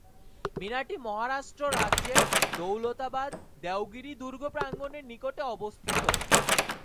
মিনারটি মহারাষ্ট্র রাজ্যের দৌলতাবাদ-দেওগিরি দুর্গ প্রাঙ্গণের নিকটে অবস্থিত।